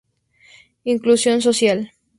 Inclusión social